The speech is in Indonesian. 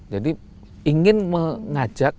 jadi ingin mengajak